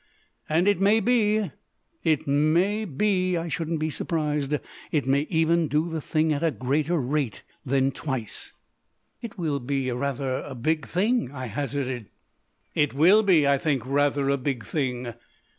"And it may be, it may be I shouldn't be surprised it may even do the thing at a greater rate than twice." "It will be rather a big thing," I hazarded. "It will be, I think, rather a big thing."